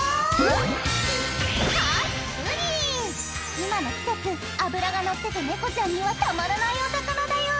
「今の季節脂が乗ってて猫ちゃんにはたまらないお魚だよ」